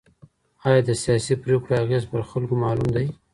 ايا د سياسي پرېکړو اغېز په خلکو معلوم دی؟